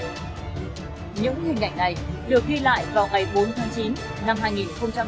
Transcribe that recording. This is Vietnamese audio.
những hình ảnh này được ghi lại vào ngày bốn tháng chín năm hai nghìn một mươi tám